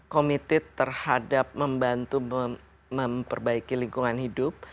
committed terhadap membantu memperbaiki lingkungan hidup